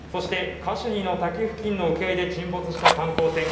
そしてカシュニの滝付近の沖合で沈没した観光船